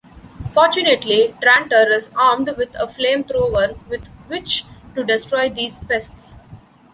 Fortunately, Trantor is armed with a flamethrower with which to destroy these pests.